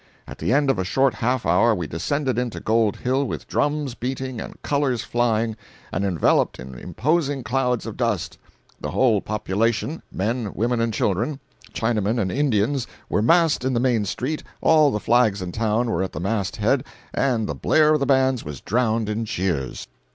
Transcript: At the end of a short half hour we descended into Gold Hill with drums beating and colors flying, and enveloped in imposing clouds of dust. The whole population—men, women and children, Chinamen and Indians, were massed in the main street, all the flags in town were at the mast head, and the blare of the bands was drowned in cheers.